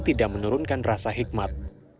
tidak menurunkan rasa hikmat